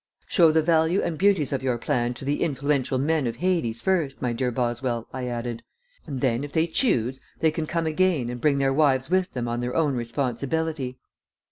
"Show the value and beauties of your plan to the influential men of Hades first, my dear Boswell," I added, "and then if they choose they can come again and bring their wives with them on their own responsibility."